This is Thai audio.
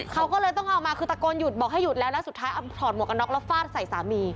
เขาก็เลยต้องเอามาคือตะโกนหยุดบอกให้หยุดแล้วแล้วสุดท้ายเอาถอดหมวกกันน็อกแล้วฟาดใส่สามี